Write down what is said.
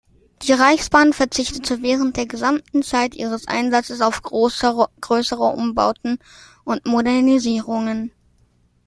Die Reichsbahn verzichtete während der gesamten Zeit ihres Einsatzes auf größere Umbauten und Modernisierungen.